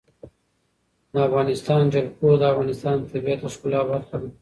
د افغانستان جلکو د افغانستان د طبیعت د ښکلا برخه ده.